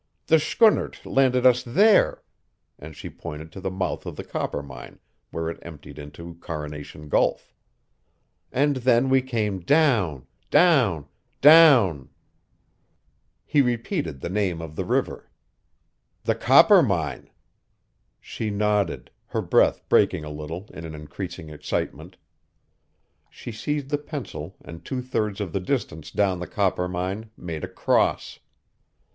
The Skunnert landed us THERE," and she pointed to the mouth of the Coppermine where it emptied into Coronation Gulf. "And then we came down, down, down " He repeated the name of the river. "THE COPPERMINE." She nodded, her breath breaking a little in an increasing excitement. She seized the pencil and two thirds of the distance down the Coppermine made a cross.